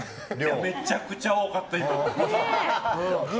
めちゃくちゃ多かった。